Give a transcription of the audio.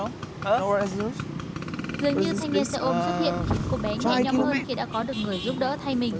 dường như xe ôm xuất hiện khiến cô bé nhẹ nhõm hơn khi đã có được người giúp đỡ thay mình